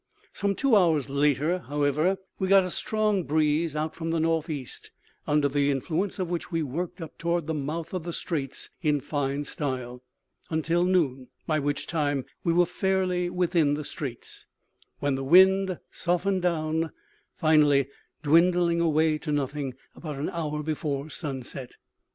Some two hours later, however, we got a strong breeze out from the north east, under the influence of which we worked up toward the mouth of the straits in fine style, until noon by which time we were fairly within the straits when the wind softened down, finally dwindling away to nothing about an hour before sunset.